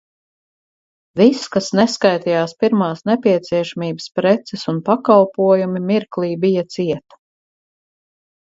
Viss, kas neskaitījās pirmās nepieciešamības preces un pakalpojumi, mirklī bija ciet!